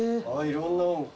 あっいろんな。